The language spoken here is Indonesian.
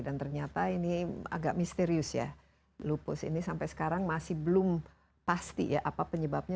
dan ternyata ini agak misterius ya lupus ini sampai sekarang masih belum pasti apa penyebabnya